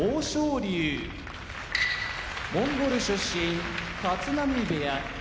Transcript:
龍モンゴル出身立浪部屋